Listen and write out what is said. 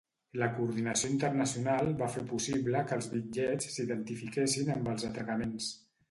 La coordinació internacional va fer possible que els bitllets s'identifiquessin amb els atracaments.